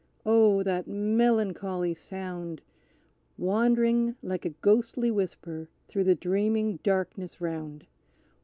Oh, that melancholy sound, Wandering like a ghostly whisper, through the dreaming darkness round!